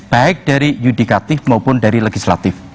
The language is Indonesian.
baik dari yudikatif maupun dari legislatif